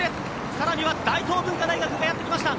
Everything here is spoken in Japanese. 更には大東文化大学がやってきました。